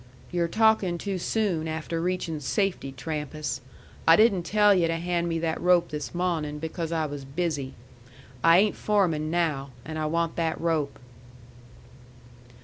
"Yu're talkin' too soon after reachin' safety, Trampas. I didn't tell yu' to hand me that rope this mawnin', because I was busy. I ain't foreman now; and I want that rope."